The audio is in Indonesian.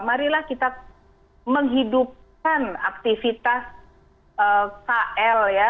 marilah kita menghidupkan aktivitas kl ya